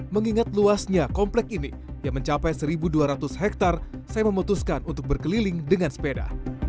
mengingat luasnya komplek ini yang mencapai satu dua ratus hektare saya memutuskan untuk berkeliling dengan sepeda